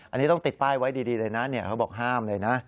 อันนี้ต้องติดป้ายไว้ดีเลยนะเขาบอกห้ามเลยนะ